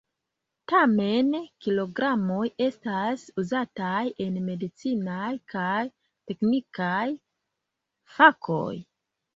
Tamen, kilogramoj estas uzataj en medicinaj kaj teknikaj fakoj.